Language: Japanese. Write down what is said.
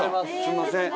すんません。